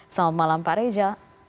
selamat malam pak reza